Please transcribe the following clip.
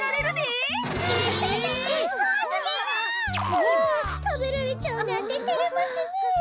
うわたべられちゃうなんててれますねえ。